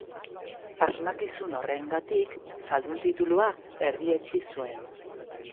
Asmakizun horrengatik zaldun titulua erdietsi zuen.